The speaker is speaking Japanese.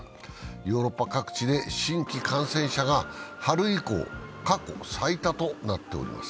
ヨーロッパ各地で新規感染者が春以降、過去最多となっております。